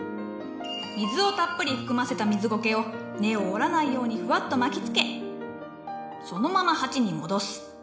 水をたっぷり含ませた水ゴケを根を折らないようにふわっと巻きつけそのまま鉢に戻す。